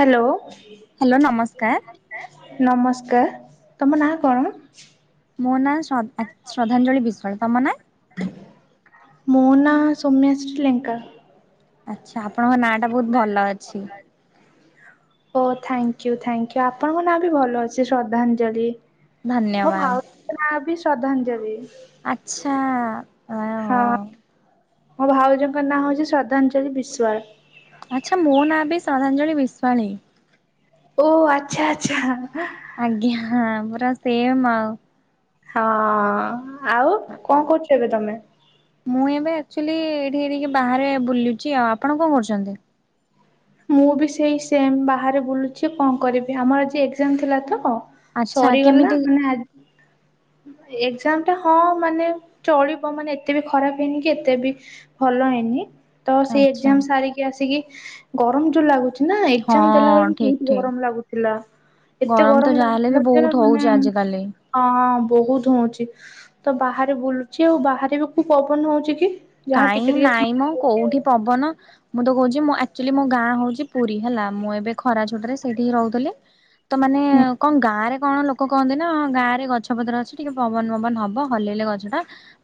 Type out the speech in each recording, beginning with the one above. Hello. Hello ନମସ୍କାର। ନମସ୍କାର ତମ ନାଁ କଣ? ମୋ ନାଁ ଶ ଶ୍ରଦ୍ଧାଞ୍ଜଳି ବିଶ୍ୱାଳ ତମ ନାଁ? ମୋ ନାଁ ସୌମ୍ୟାଶ୍ରୀ ଲଙ୍କା। ଆଛା ଆପଣଙ୍କ ନାଁ ଟା ବହୁତ ଭଲ ଅଛି। ଓ ଥ୍ୟାଙ୍କ ୟୁ ଠାକ୍ ୟୁ ଆପଣଙ୍କ ନାଁ ବି ଭଲ ଅଛି ଶ୍ରଦ୍ଧାଞ୍ଜଳି? ଧନ୍ୟବାଦ। ନା ବି ଶ୍ରଦ୍ଧାଞ୍ଜଳି। ଆଛା। ହଁ ମୋ ଭାଉଜଙ୍କ ନାଁ ହଉଛି ଶ୍ରଦ୍ଧାଞ୍ଜଳି ବିଶ୍ଵାଳ। ଆଚ୍ଛା ମୋ ନାଁ ବି ଶ୍ରଦ୍ଧାଞ୍ଜଳି ବିଶ୍ୱାଳ ହେଇଥିବା। ଓ ଆଚ୍ଛା ଆଚ୍ଛା। ଆଜ୍ଞାଁ ପୁରା ସେମ ଆଉ ହଁ ଆଉ କଣ କହୁଛ ଏବେ ତମେ? ମୁଁ ଏବେ ଆକଚୁଆଲି ଏଠି ଏଠି ବାହାରେ ବୁଲୁଛି ଆଉ ଆପଣ କଣ କରୁଛନ୍ତି? ମୁଁ ବି ସେଇ ସେମ ବାହାରେ ବୁଲୁଛି କଣ କରିବି ଆମର ଆଜି ଏକ୍ଜାମ ଥିଲା ତ। ଆଚ୍ଛା କେମିତି ସରିଗଲା ମାନେ ଆ ଏକ୍ଜାମ ଟା ହଁ ମାନେ ଚଳିବ ମାନେ ଏତେ ବି ଖରାପ ହେଇନି କି ଏତେ ବି ଭଲ ହେଇନି। ତ ସେଇ ଆଚ୍ଛା ଏଗ୍ଜାମ ସାରିକି ଆସିକି ଗରମ ଯୋଉ ଲାଗୁଛି ନା ଏକ୍ଜାମ ହଁ ଦେଲାବେଳେ ବି ଠିକ ବହୁତ ଠିକ ଗରମ ଲାଗୁଥିଲା। ଏତେ ତ ଗରମ ଯାହାହେଲେ ବି ଲାଗୁଥିଲା ବହୁତ ଯେ ମାନେ ହଉଛି ଆଜିକାଲି। ହଁ ବହୁତ ହୋଉଛି ତ ବାହାରେ ବୁଲୁଚି ଆଉ ବାହାରେ ବି କୋଉ ପବନ ହଉଛି କି। ଯାହା କାହିଁ ଟିକେ ଟିକେ ଥଣ୍ଡା ନାଇଁମ ଲାଗୁଛି କୋଉଠି ଆଉ। ପବନ ମୁଁ ତ କହୁଛି ମୁଁ ଆକ୍ଚୁଲି ମୋ ଗାଁ ହଉଛି ପୁରୀ ହେଲା ମୁଁ ଏବେ ଖରା ଛୁଟିରେ ସେଇଠି ରହୁଥିଲି। ତ ମାନେ କଣ ଗାଁ ରେ କଣ କ କହନ୍ତି ନା ଗାଁରେ ଗଛପତ୍ର ଅଛି ଟିକେ ପବନ ପବନ ହବ ହଲେଇଲେ ଗଛଟା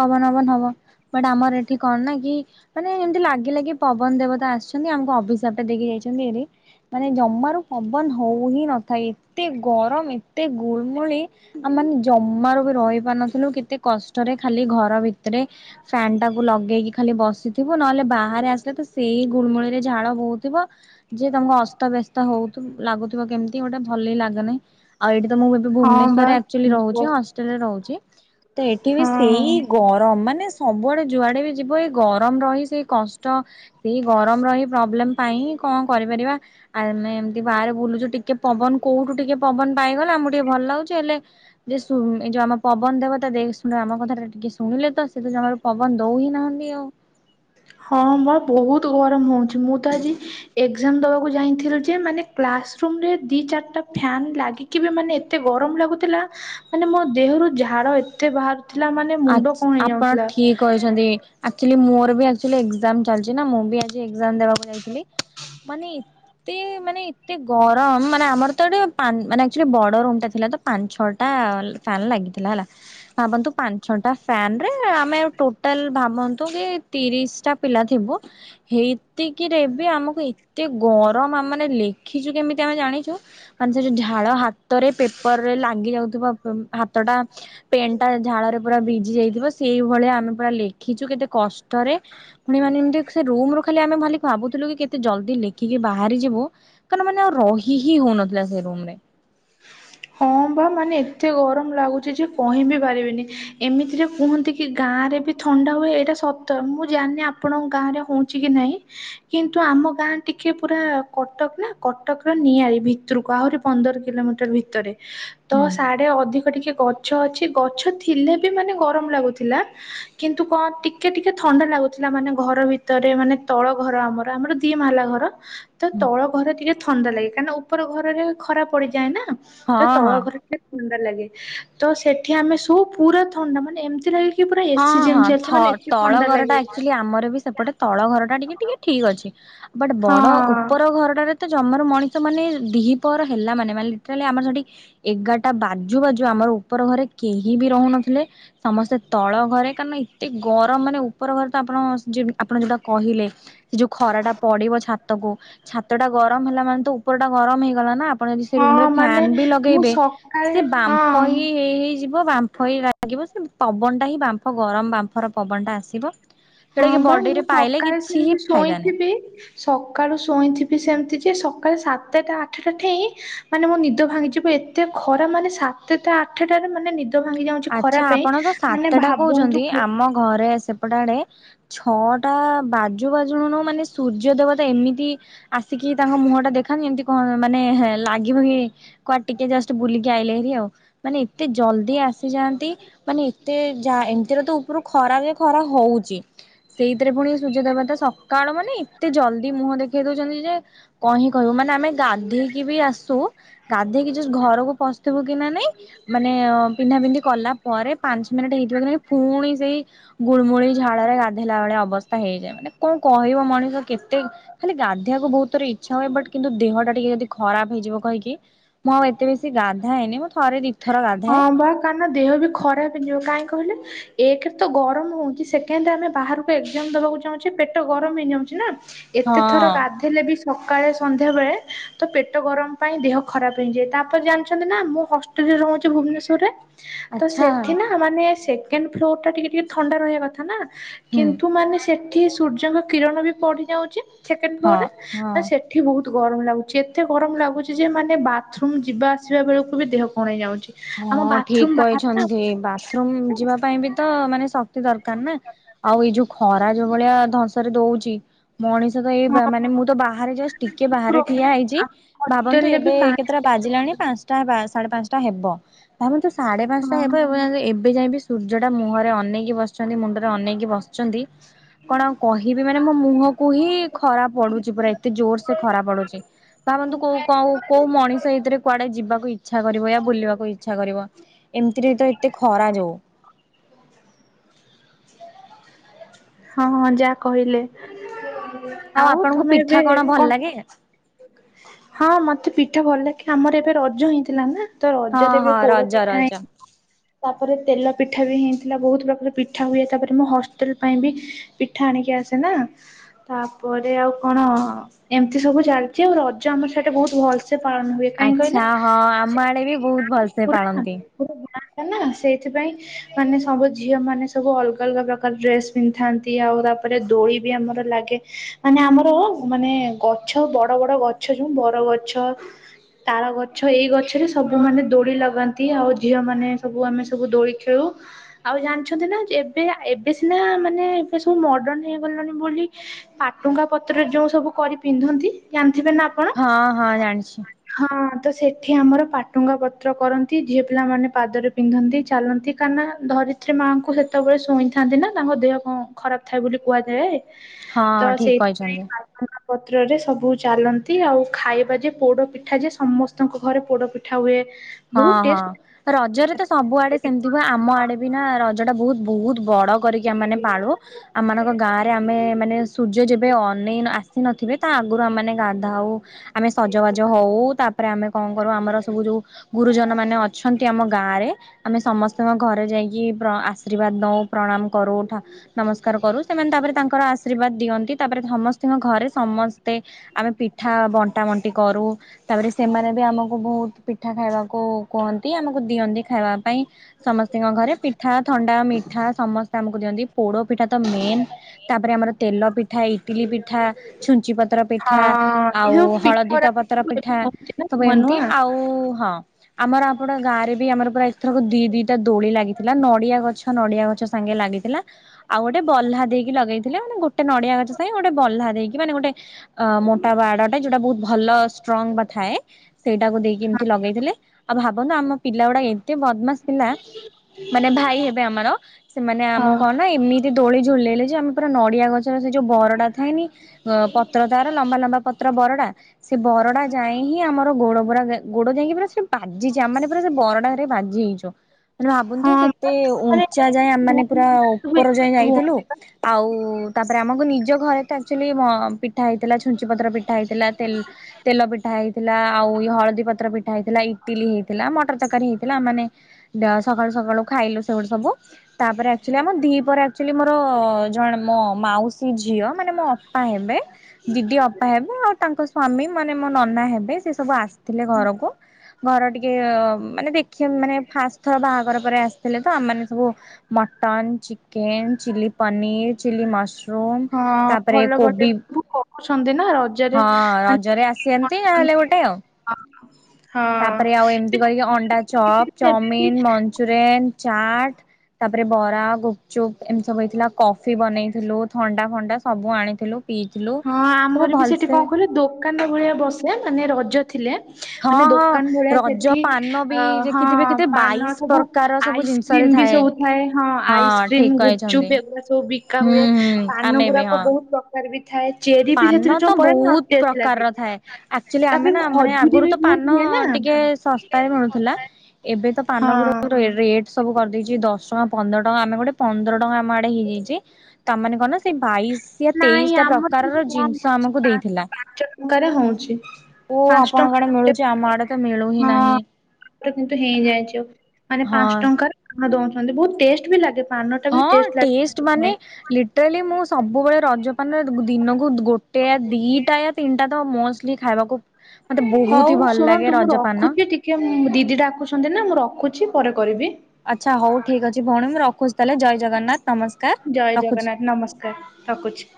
ପବନ ପବନ ହବ ବଟ ଆମର ଏଠି କଣ ନା କି ମାନେ ଏମିତି ଲାଗିଲାକି ପବନ ଦେବତା ଆସିଛନ୍ତି ଆମକୁ ଅଭିିସାପଟା ଦେଇକି ଯାଇଛନ୍ତି ହାରି। ମାନେ ଜମାରୁ ପବନ ହଉ ହିଁ ନଥାଏ ଏତେ ଗରମ ଏତେ ଗୁଳମୁଳି। ଆମ ମାନେ ଜମାରୁ ବି ରହି ପାରୁନଥିଲୁ କେତେ କଷ୍ଟରେ ଖାଲି ଘର ଭିତରେ ଫ୍ୟାନ ଟା ଲଗେଇକି ଖାଲି ବସିଥିବ ନହେଲେ ବାହାରେ ଆସିଲେ ତ ସେଇ ଗୁଳମୁଳି ରେ ଝାଳ ବୋହୁଥିବ। ଯେ ତମକୁ ଅସ୍ତବ୍ୟସ୍ତ ହଉ ଲାଗୁଥିବ କେମିତି ଗୋଟେ ଭଲି ଲାଗେନାହିଁ। ଆଉ ଏଇଠି ତ ମୁଁ ଏ ହଁ ବା ଭୁବନେଶ୍ୱରରେ ଆକଚୁଲି ବ ରହୁଛି ହଷ୍ଟେଲରେ ରହୁଛି। ତ ଏଠି ବି ସେଇ ହଁ। ଗରମ ମାନେ ସବୁଆଡେ ଯୁଆଡେ ବି ଯିବ ଏଇ ଗରମ ରହି ସେଇ କଷ୍ଟ ସେଇ ଗରମର ହିଁ ପ୍ରୋବ୍ଲେମ ପାଇଁ କଣ କରିପାରିବା। ଆ ଆମେ ଏମିତି ବାହାରେ ବୁଲୁଛୁ ଟିକେ ପବନ କୋଉଠୁ ଟିକେ ପବନ ପାଇଗଲା ଆମକୁ ଟିକେ ଭଲ ଲାଗୁଛି ହେଲେ ଯେ ଶୁଣ ଏଇ ଯୋଉ ଆମ ପବନ ଦେବତା ଦେଖ ଶୁଣ ଆମ କଥା ଟା ଟିକେ ଶୁଣିଲେ ତ ସେ ତ ଜମାରୁ ପବନ ଦୋଉ ହିଁ ନାହାନ୍ତି ଆଉ। ହଁ ବା ବହୁତ ଗରମ ହେଉଛି। ମୁଁ ତ ଆଜି ଏଗ୍ଜାମ ଦବାକୁ ଯାଇଥିଲୁ ଯେ ମାନେ କ୍ଲାସ ରୁମରେ ଦି ଚାରିଟା ଫ୍ୟାନ୍ ଲାଗି କିବି ମାନେ ଏତେ ଗରମ ଲାଗୁଥିଲା ମାନେ ମୋ ଦେହରୁ ଝାଳ ଏତେ ବାହ ଥିଲା ମାନେ ମୁଣ୍ଡ କଣ ହେଇଯାଉଥିଲା। ଚନ୍ତି ଆକଚୁଲି ମୋର ବି ଆକ୍ଚୁଲି ଏକ୍ଜାମ୍ ଚାଲିଚି ନା ମୁ ବି ଏଗଜାମ ଦେବାକୁ ଯାଇଥିଲି ମାନେ ଏତ୍ ଏତେ ମାନେ ଏତେ ଗରମ ମାନେ ଆମର ତ ଏଠି ମାନେ ଆଚୁଆଲି ବଡ ରୁମ୍ ଟା ଥିଲା ତ ପାଞ୍ଚ ଛଅଟା ଫ୍ୟାନ ଲାଗିଥିଲା ହେଲା ଭାବନ୍ତୁ ପା ଛଅଟା ଫ୍ୟାନରେ ଆମେ ଟୋଟାଲ ଭାବନ୍ତ ନ୍ତୁକି ତିରିଶ ଟା ପିଲା ଥିବ ହେଇତିକିରେ ବି ଆମକୁ ଏତେ ଗରମ ଆମ ମାନେ ଲେଖିଛୁ କେମିତି ଆମେ ଜାଣିଛୁ ମାନେ ସେ ଯୋଉ ଝାଳ ହାତ ତରେ ପେପରରେ ଲାଗି ଯାଉଥିବ ପ ହାତଟା ପେନ୍ ଟା ଝାଳରେ ପୁରା ଭିଜି ଯାଇଥିବ ସେଇଭଳିଆ ଆମେ ପୁରା ଲେଖିଛୁ କେତେ କଷ୍ଟରେ ପୁଣି ମାନେ ଏମିତି ସେ ରୁମରୁ ଖାଲି ଆମେ ଭାଲି ଭାବୁଥିଲୁ କି କେତେ ଜଲଦି ଲେଖିକି ବାହାରିଯିବୁ କଣ ମାନେ ଆଉ ରହି ହି ହଉନଥିଲା ସେଇ ରୁମରେ। ହଁ ବା ମାନେ ଏତେ ଗରମ ଲାଗୁଛି ଯେ କହିବିି ପାରିବିନି। ଏମିତିରେ କୁହନ୍ତି କି ଗାଁରେ ବି ଥଣ୍ଡା ହୁଏ ଏଇଟା ସତ ମୁଁ ଜାଣିନି ଆପଣଙ୍କ ଗାଁରେ ହଉ ଚିକି ନାଇଁ କିନ୍ତୁ ଆମ ଗାଁ ଟିକେ ପୁରା କଟକ ନା କଟକର ନିଆଳି ଭିତରକୁ ଆହୁରି ପନ୍ଦର କିଲୋମିଟର ଭିତରେ। ତ ହୁଁ ସାଢେ ଅଧିକ ଟିକେ ଗଛ ଅଛି ଗଛ ଥିଲେ ବି ମାନେ ଗରମ ଲାଗୁଥିଲା। କିନ୍ତୁ କଣ ଟିକେ ଟିକେ ଥଣ୍ଡା ଲାଗୁଥିଲା ମାନେ ଘର ଭିତରେ ମାନେ ତଳ ଘର ଆମର ଆମର ଦି ମହଲା ଘର ତ ହୁଁ। ତଳ ଘରେ ଟିକେ ଥଣ୍ଡା ଲାଗେ କାହିଁକିନା ଉପର ଘରରେ ଖରା ପଡିଯାଏ ନା। ତ ହଁ ତଳ ହଁ। ଘର ଟିକେ ଥଣ୍ଡା ଲାଗେ ତ ସେଠି ଆମେ ସବୁ ପୁରା ଥଣ୍ଡା ମାନେ ଏମିତି ଲାଗେକି ହଁ ହଁ ଥ ତଳ ଘର ଟା ଲାଗେ ଆକ୍ଚୁଆଲି ଆମର ବି ସେପଟେ ତଳ ଘର ଟା ଟିକେ ଟିକେ ଠିକ ଅଛି। ବଟ ହଁ ବଡ ଉପର ଘରଟାରେ ତ ଜମର ମଣିଷ ମାନେ ଦିହିପହର ହେଲା ମାନେ ଲିଟରାଲି ଆମର ସେଠି ଏଗାରଟା ବାଜୁ ବାଜୁ ଆମର ଉପର ଘରେ କେହି ବି ରହୁନଥିଲେ। ସମସ୍ତେ ତଳ ଘରେ କାଁକ ନା ଏତେ ଗରମ ମାନେ ଉପର ଘରେ ତ ଆପଣ ଆପଣ ଯଉଟା କହିଲେ ସେ ଯୋଉ ଖରା ଟା ପଡିବ ଛାତକୁ। ଛାତ ଟା ଗରମ ହେଲା ମାନେ ତ ଉପର ଟା ଗରମ ହେଇଗଲା ନା ଆପଣ ଯଦି ସେ ହଁ ରୁମ ରେ ମାନେ ଫ୍ୟାନ୍ ବି ମୁଁ ଲଗେଇବେ ସକାଳେ ସେ ହଁ ବାମ୍ଫ ହିଁ ହେଇ ହେଇଯିବ ବାମ୍ଫ ଲାଗିବ ସେ ପବନଟା ହିଁ ବାମଫ ଗରମ ବାମ୍ଫର ପବନଟା ଆସିବ। ହଁ ଯୋଉଟା କି ବା ମୁଁ ବଡିରେ ପାଇଲେ ସକାଳେ କିଛି ସେମିତି ହିଁ ଫାଇଦା ନାହିଁ। ଶୋଇଥିବି ସକାଳୁ ଶୁୋଇଁଥିବି ସେମିତି ଯେ ସକାଳେ ସାତଟା ଆଠଟା ଠେଇଁ ମାନେ ମୋ ନିଦ ଭାଙ୍ଗିଯିବ ଏ ଏ ଖରା ମାନେ ସାତଟା ଆଠଟାରେ ମାନେ ଭାଙ୍ଗି ଯାଉଛି ଆଚ୍ଛା ଖରାପ ଆପଣ ତ ପାଇଁ ମାନେ ସାତଟା ଭାବନ୍ତୁ କହୁଛନ୍ତି ଆମ ଘରେ ସେପଟେ ଆଡେ ଛଅଟା ବାଜୁ ବାଜୁଣୁନୁ ମାନେ ସୂର୍ଯ୍ୟ ଦେବତା ଏମିତି ଆସିକି ତାଙ୍କ ମୁହଁ ଟା ଦେଖାନ୍ତି ଏମିତି କଣ ମାନେ ଲାଗିବ କି କୁଆଡ ଟିକେ ଜଷ୍ଟ ବୁଲିକି ଆଇଲେ ହେରି ଆଉ। ମାନେ ଏତେ ଜଲଦି ଆସ ମାନେ ଏତେ ଯା ଏମିତିର ତ ପ ଖରା ଯେ ଖରା ହଉଛି। ସେଇଥିରେ ପୁଣି ସୂର୍ଯ୍ୟ ଦେବତା ସକାଳ ମାନେ ଏତେ ଜଲଦି ମୁହଁ ଦେଖେଇ ଦଉଛନ୍ତି ଯେ କହି କହିବୁ। ମାନେ ଆମେ ଗାଧୋଇ ବି ଆସୁ ଗାଧେଇକି ଘରକୁ ପଶଥିବୁ କି ନା ନାଇଁ ମାନେ ପିନ୍ଧା ପିନ୍ଧି କଲା ପରେ ପାଞ୍ଚ ମିନିଟ ହେଇଥିବ କି ନହିଁ ପୁଣି ସେଇ ଗୁଳମୁଳି ଝାଳରେ ଗାଧୋଇଲା ବେଳେ ଅବସ୍ଥା ହେଇଯାଏ। ମାନେ କଣ କହିବ ମଣିଷ କେତେ ଖାଲି ଗାଧୋଇବାକୁ ବହୁତ ଥର ଇଚ୍ଛା ହୁଏ। ବଟ୍ କିନ୍ତୁ ଦେହଟା ଟିକେ ଯଦି ଖରାପ ହେଇଯିବ କହିକି ମୁଁ ଆଉ ଏତେ ବେଶୀ ଗାଧାଏନି ମୁଁ ଥରେ ଦୁଇ ଥର ଗାଧାଏ। କା ଦେହ ବି ଖରାପ ହେଇଯିବ କାହିଁ କହିଲେ ଏକରେ ତ ଗରମ ହଉଛି ସେକେଣ୍ଡରେ ଆମେ ବାହାରକୁ ଏକଜାମ ଦବାକୁ ଚାହୁଁଛେ ପେଟ ଗରମ ହେଇଯାଉଛ ନା? ଏତେ ଥର ହଁ ଗାଦ ଥିଲେ ବି ସକାଳେ ସନ୍ଧ୍ୟା ବେଳେ ତ ପେଟ ଗରମ ପାଇଁ ଦେହ ଖରାପ ହେଇଯାଏ। ତାପରେ ଜାଣିଛନ୍ତି ନା ମୁଁ ରହୁଛି ଭୁବନେଶ୍ଵରରେ। ତ ଆଚ୍ଛା ସେଠି ନା ମାନେ ସେକଣ୍ଡ ଫ୍ଲୋର ଟା ଟିକେ ଟିକେ ଥଣ୍ଡା ରହିବା କଥା ନା ହୁଁ କିନ୍ତୁ ମାନେ ସେଠି ସୂର୍ଯ୍ୟଙ୍କ କିରଣ ବି ପଢି ଯାଉଛି ସେକେଣ୍ଡ ହଁ ଫ୍ଲୋର ରେ ଆଉ ହଁ। ସେଠ ଏଠି ବହୁତ ଗରମ ଲାଗୁଛି ଏତେ ଗରମ ଲାଗୁଛି ଯେ ମାନେ ବାଥରୁମ ଯିବା ଆସିବା ବେଳକୁ ବି ଦେହ କଣ ହେଇଯାଉଛି। ହଁ ଠିକ କହିଛନ୍ତି ବାଥରୁମ ଯିବା ପାଇଁ ବି ତ ମାନେ ଶକ୍ତି ଦରକାର ନା? ଆଉ ଏଇ ଯୋଉ ଖରା ଯୋଉ ଭଳିଆ ଧରସେଇ ଦଉଛି ମଣିଷ ତ ଏଇ ନା ମାନେ ମୁଁ ତ ବାହାରେ ଯଷ୍ଟ ଟିକେ ବାହାରେ ଠିଆ ପ୍ରୋବ୍ଲେମ ହେଇଛି ଆମ ଭାବନ୍ତୁ ହଷ୍ଟେଲରେ ବି ଏବେ କେ ପାଣି ପତା ବାଜିଲାଣି ପାଞ୍ଚଟା ସାଢ଼େ ପାଞ୍ଚଟା ହେବ। ତାମ ତୁ ସାଢେ ପାଞ୍ଚଟା ହଁ ହେବ ଏବଂ ଏବେ ଯାଇବି ସୂର୍ଯ୍ୟ ଟା ମୁହଁରେ ଅନେକି ବସ ମୁଣ୍ଡରେ ଅନେଇକି ବସିଛନ୍ତି କଣ କହିବି ମାନେ ମୋ ମୁହ କୁହି ଖରା ପଡୁଛି ପୁରା ଏତେ ଜୋର ସେ ଖରା ପଡୁଛି। ଭାବନ୍ତୁ କୋଉ କଉ କୋଉ ମଣିଷ ଏଇଥିରେ କୁଆଡେ ଯିବାକୁ ଇଚ୍ଛା କରିବ ବୁଲିବାକୁ ଇଛା ଇଛା କରିବ। ଏମିତିରେ ତ ଏତେ ଖରା ଯ ହଉ। ହଁ ହଁ ଯା କହିଲେ। ଆଉ ଆପଣଙ୍କୁ ତମେ ପିଠା ଏବେ ଭଲ କଣ ଲାଗେ? ହଁ ମତେ ପିଠା ଭଲ ଲାଗେ। ଆମର ଏବେ ରଜ ହେଇଥିଲା ନା ତ ହଁ ରଜରେ ଏବେ ହଁ ପୋଡ ରଜ ପିଠା ରଜ ହେଇ ତାପରେ ତେଲ ପିଠା ବି ହେଇଥିଲା ବହୁତ ପ୍ରକାର ପିଠା ହୁଏ। ତାପରେ ମୁଁ ହଷ୍ଟେଲ ପାଇଁ ବି ପିଠା ଆଣିକି ଆସେ ନା ତାପରେ ଆଉ କଣ ଏମିତି ସବୁ ଚାଲିଛି ଆଉ ରଜ ଆମର ସେଇଟା ବହୁତ ଭଲସେ ପାଳନ ହୁଏ। କାହିଁ କହିଲେ, ଆଚ୍ଛା ହଁ ଆମ ଆଡେ ବି ବହୁତ ଭଲସେ ପୁରା ପାଳନ୍ତି। ପୁରା ଗାଁ ଟ ନା ସେଇଥିପାଇଁ। ମାନେ ସବୁ ଝିଅ ମାନେ ସବୁ ଅଲ୍ଗା, ଅଲ୍ଗା ପ୍ରକାର ଡ୍ରେସ୍ ପିନ୍ଧଥାନ୍ତି। ଆଉ ତାପରେ ଦୋଳି ବି ଆମର ଲାଗେ ମାନେ ଆମର ମାନେ ଗଛ ବଡ ବଡ ଗଛ ଯୋଉ, ବର ଗଛ ତାଳ ଗଛ, ଏଇ ଗଛରେ ସବୁମାନେ ଦୋଳି ଲଗାନ୍ତି। ଆଉ ଝିଅମାନେ ସବୁ ଆମେ ସବୁ ଦୋଳି ଖେଳୁ ଆଉ ଜାଣିଛନ୍ତି ନା ଏବେ ଏବେ ସିନା ମାନେ ଏବେ ସବୁ ମଡର୍ଣ ହେଇଗଲାଣି ବୋଲି ପାଟୁଙ୍ଗା ପତ୍ରରେ ଯୋଉ ସବୁ କରି ପିନ୍ଧନ୍ତି ଜାଣିଥିବେ ନା ଆପ ହଁ ହଁ ଜାଣିଛି ହଁ ତ ସେଠି ଆମର ପାଟୁଙ୍ଗା ପତ୍ର କରନ୍ତି ଝିଅ ପିଲାମାନେ ପାଦରେ ପିନ୍ଧନ୍ତି ଚାଲନ୍ତି କାହିଁ ନା ଧରିତ୍ରୀ ମାଆଙ୍କୁ ସେତେବେଳେ ଶୁଣିଥାନ୍ତି ନା ତାଙ୍କ ଦେହ କଣ ଖରାପ୍ ଥାଏ ବୋଲି କୁହାଯାଏ। ହଁ ତ ଠିକ ସେଇଥିପାଇଁ କହିଛନ୍ତି। ବା ପତ୍ରରେ ସବୁ ଚାଲନ୍ତି, ଆଉ ଖାଇବା ଯେ ପୋଡପିଠା ଯେ ସମସ୍ତ ସ୍ତଙ୍କ ଘରେ ପୋଡପିଠା ହୁଏ। ହଁ ବହୁତ ହଁ, ଟେଷ୍ଟ ରଜରେ ପିଠା ତ ସବୁ ଆଡେ ଥାଏ। ସେମିତି ହୁଏ। ଆମ ଆଡେ ବି ନା ରଜଟା ବୋହୁତ୍, ବୋହୁତ୍ ବଡ କରିକି ଆମେମାନେ ପାଳୁ। ଆମମାନଙ୍କ ଗାଁରେ ଆମେ, ମାନେ ସୂର୍ଯ୍ୟ ଯେବେ ଅନେଇନା ଆ ଆସି ନଥିବେ, ତା ଆଗରୁ ଆମମାନେ ଗାଧାଉ। ଆମେ ସଜବାଜ ହୋଉ, ତାପରେ ଆମେ କଣ କରୁ ଆମର ସବୁ ଯୋଉ ଗୁରୁଜନମାନେ ଅଛନ୍ତି ଆମ ଗାଁରେ, ଆମେ ସମସ୍ତଙ୍କ ଘରେ ଯାଇକି ପ୍ର ଆର୍ଶୀ ବାଦ ନୋଉ, ପ୍ରଣାମ କରୁ, ଉଠା ନମସ୍କାର କରୁ ସେମାନେ ତାପରେ ତାଙ୍କର ଆଶୀର୍ବାଦ ଦିଅନ୍ତି। ତାପରେ ସମସ୍ତଙ୍କ ଘରେ ସମ ମତେ ଆମେ ପିଠା ବଣ୍ଟା ବଣ୍ଟି କରୁ। ତାପରେ ସେମାନେ ବି ଆମକୁ ବୋହୁତ୍ ପିଠା ଖାଇବାକୁ କୁହନ୍ତି ଆମକୁ ଦିଅନ୍ତି ଖାଇବା ପାଇଁ। ସମସ୍ତଙ୍କ ଘରେ ପିଠା, ଥଣ୍ଡା, ମିଠା, ସମ ସେ ଆମକୁ ଦିଅନ୍ତି, ପୋଡପିଠା ତ ମେନ୍, ତାପରେ ଆମର ତେଲ ପିଠା, ଇଟିଲି ପିଠା ଛୁଞ୍ଚି ପତ୍ର ପିଠା, ହଁ ଏ ଆଉ ଯୋଉ ହଳଦୀ ତ ପିଠରା ପତ୍ର ସବୁ ଏବେ ପିଠା, ପଡୁଛି ନା ସବୁ ନୂଆ ଏମିତି ନୂଆ। ଆଉ ହଁ ଆମର ଆପଣ ଗାଁରେ ବି ଆମର ପୁରା ଏଥରକ ଦି ଦିଟା ଦୋଳି ଲାଗିଥିଲା। ନଡିଆ ଗଛ, ନଡିଆ ଗଛ ସାଙ୍ଗେ ଲାଗିଥିଲା। ଆଉ ଗୋଟେ ବଲ୍ଲା ଦେଇକି ଲଗେଇଥିଲେ। ମାନେ ଗୋଟେ ନଡିଆ ଗଛ ସାଙ୍ଗେ ଗୋଟେ ବହ୍ଲା ଦେଇକି ମାନେ ଗୋଟେ ଅ ମୋଟା ବାଡଟା ଯୋଉଟା ବୋହୁତ୍ ଭଲ ଷ୍ଟ୍ରଙ୍ଗ ବା ଥାଏ। ସେଇଟାକୁ ଦେଇକି ଏମିତି ଲଗେଇ ଦେଲେ ଆଉ ଭାବନ୍ତୁ ଆମ ପିଲା ଗୁଡା ଏତେ ବଦମାସ୍ ପିଲା ମାନେ ଭାଇ ହେବେ ଆମର, ସେମାନେ ଆମକୁ ହଁ କଣ ନା ଏମିତି ଏ ଦୋଳି ଝୁଲେଇଲେ ଯେ, ଆମେ ପୁରା ନଡିଆ ଗଛର ସେ ଯୋଉ ବରଡା ଥାଏନି ଅ ପତ୍ର ତାର ଲମ୍ବା ଲମ୍ବା ପ ତ୍ର ବରଡା ସେ ବରଡା ଯାଏ ହିଁ, ଆମର ଗୋଡ ପୁରା ଗୋଡ ଯାଇକି ପୁରା ସେ ବାଜିଛି ଆମ ମାନେ ପୁରା ସେ ବରଡାରେ ବାଜି ହେଇଛୁ। ମାନେ ଭାବନ୍ତୁ କେ ହଁ ଏତେ ମାନେ ଉଞ୍ଚା ଯାଏଁ ଆମ ସବୁ ମାନେ ପୁରା ଉପର ଯାଏଁ ହଁ ଯାଇଥିଲୁ ଆଉ ତାପରେ ଆମକୁ ନିଜ ଘରେ ତ ଆକ୍ଚୁଆଲି ଆ ପି ପିଠା ହେଇଥିଲା, ଛୁଞ୍ଚି ପତ୍ର ପିଠା ହେଇଥିଲା, ତ ତେଲ ପିଠା ହେଇଥିଲା, ଆଉ ହଳଦୀ ପତ୍ର ପିଠା ହେଇଥିଲା ଇଟିଲି ହେଇଥିଲା, ମଟର ତରକାରୀ ହେଇଥିଲା। ମାନେ ସକାଳୁ ସକାଳୁ ଖାଇଲୁ ସେଗୁଡା ସବୁ। ତାପରେ ଆକ୍ଚୁଆଲି ଆମ ଦି ପରେ ଆକ୍ଚୁଆଲି ମୋର ଜଣେ ମୋ ମାଉସୀ ଝିଅ ମାନେ ମୋ ଅପା ହେବେ, ଦିଦି ଅପା ହେବେ। ଆଉ ତାଙ୍କ ସ୍ଵାମୀ ମାନେ ମୋ ନନା ହେବେ ସେ ସବୁ ଆସି ଥିଲେ ଘରକୁ। ଘର ଟିକେ ମାନେ ଦେଖି ମାନେ ଫାଷ୍ଟ ଥର ବାହାଘର ପରେ ଆସିଥିଲେ ତ ଆମ ମାନେ ସବୁ mutton, chicken, chilli paneer, chilli ମସ ର ତାପରେ କୋବି କହୁଛନ୍ତି ନା ର ହଁ ରଜରେ ଆସିଅନ୍ତି ନହେଲେ ଗୋଟେ ଆଉ। ହଁ। ତାପରେ ଆଉ ଏମିତି କରିକି ଅଣ୍ଡା ଚପ୍, ଏବେ ବି ଚଉମିିନ, ମ ଞ୍ଚୁରିଆ ନ୍, ଚାଟ ତାପରେ ବରା, ଗୁପଚୁପ, ଏମିତି ସବୁ ହେଇଥିଲା। କଫି ବନେଇଥିଲୁ। ଥଣ୍ଡା ଫଣ୍ଡା ସବୁ ଆଣିଥିଲୁ। ପିଇଥିଲୁ। ହଁ ସେରା ଆମର ବି ଭଲ୍ ସେଠି କଣ କହିଲ ଦୋକାନ ଭଳିଆ ବସେ, ମାନେ ରଜ ଥିଲେ। ହଁ ମାନେ ହଁ ଦୋକାନ ଭଳିଆ ରଜ ସେଠି ପାନ ଅ ବି ହଁ ଦେଖିଥିବେ କେତେ ପାନ ବାଇଶ ସବୁ ପ୍ରକାର ସବୁ ଆଇସ୍ ଜିନିଷରେ କ୍ରିମ ବି ସବୁ ଥାଏ। ହଁ ଆଇସ୍କ୍ରିମ୍ ଠିକ ଗୁପଚୁପ କହିଛନ୍ତି ଏଗୁଡା ସବୁ ବିକା ହୁଁ ହୁଏ। ହୁଁ ପାନ ଆମେ ବି ଗୁଡାକ ହଁ ବହୁତ ପ୍ରକାର ବି ଥାଏ। ଚେରି ବି ପାନ ସେଥିରେ ତ ଯୋଉ ପଡେ ନା ବହୁତ୍ ଟେଷ୍ଟ ଲାଗେ। ପ୍ରକାରର ଥାଏ। ଆକ୍ଚୁଆଲି ଆମେ ତାପରେ ନା ମାନେ ଖଜୁରୀ ଆଗରୁ ବି ତ ବହୁତ ପାନ ହୁଏ ନା ଟିକେ ଶସ୍ତାରେ ମିଳୁଥିଲା। ଏବେ ତ ପାନ ଗୁରା ହଁ ରେଟ୍ ସବୁ କରିଦେଇଚି ଦଶ ଟଙ୍କା, ପନ୍ଦର ଟଙ୍କା। ଆମେ ଗୋଟେ ପନ୍ଦର ଟଙ୍କା ଆମ ଆଡେ ହେଇଯାଇଚି। ତାମାନେ କଣ ନା ସେଇ ବାଇଶି ୟା ନାଇଁ ତେଇଶ୍ ଟା ପ୍ର ଆମର କିନ୍ତୁ କାରର କମ ଜିନିଷ ଅଛି ଆମକୁ ଦେଇଥିଲା। ପାଞ୍ଚ ଟଙ୍କାରେ ହଉଛି ଓ ପାଞ୍ଚ ଆପଣଙ୍କ ଟଙ୍କା ଆଡେ ଗୋଟେ ମିଳୁଚି ଆମ ଆଡେ ପାନ। ତ ମିଳୁ ହିଁ ହଁ ନାହିଁ। କିନ୍ତୁ ହେଇଯାଇଚୁ। ମାନେ ହଁ ପାଞ୍ଚ ଟଙ୍କାରେ ପାନ ଦଉଛନ୍ତି। ବହୁତ ଟେଷ୍ଟ ବି ଲାଗେ। ପାନ ଟା ବି ହଁ ଟେଷ୍ଟ ମାନେ ଲାଗେ। ଲି ଟୋଟାଲି ମୁଁ ସବୁବେଳେ ରଜପାନ ଦିନକୁ ଗୋଟେ ୟା ଦିଟା ୟା ତିନିଟା ତ ମୋ ଷ୍ଟଲି ଖାଇବାକୁ ମତେ ହଉ ବହୁତ ହିଁ ଭଲ ଲାଗେ ଶୁଣନ୍ତୁ ମୁଁ ରଜପାନ। ରଖୁଛି ଦିଦି ଡାକୁୁଚନ୍ତି ନା ମୁଁ ରଖୁଚି ପରେ କରିବି। ଆଚ୍ଛା ହଉ ଠିକ୍ ଅଛି ଭଉଣୀ ମୁଁ ରଖୁଚି ତାହେଲେ। ଜୟ ଜଗନ୍ନାଥ ନମସ୍କାର ଜୟ ରଖୁଚି। ଜଗନ୍ନାଥ ନମସ୍କାର ରଖୁଛି।